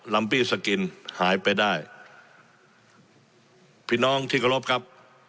ลำปี้สกินหายไปได้พี่น้องที่เคารพครับ